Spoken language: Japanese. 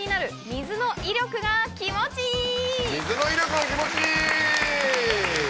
水の威力が気持ちいい。